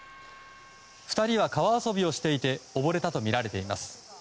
２人は川遊びをしていておぼれたとみられています。